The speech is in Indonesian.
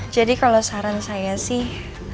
jadi kalau saran saya sih